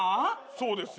そうですよ。